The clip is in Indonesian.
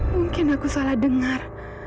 mungkin aku salah dengar